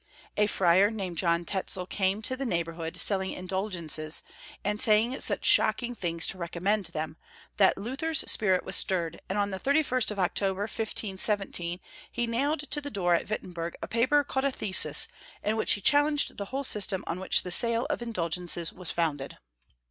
A friar named John Tetzel came to the neighbor hood selling indulgences, and saying such shocking things to recommend them, that Luther's spirit was stirred, and on the 31st of October, 1517, he nailed to the door at Wittenberg a paper called a thesis, in which he challenged the whole system on which the sale of indulgences was founded.